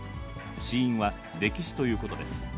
死因は溺死ということです。